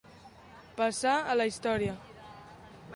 Passar a la història.